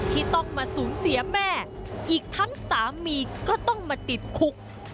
ที่ต้องมาสูญเสียแม่อีกทั้งสามีก็ต้องมาติดคุก